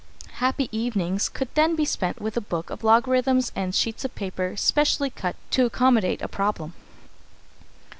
Happy evenings could then be spent with a book of logarithms and sheets of paper specially cut to accommodate a problem.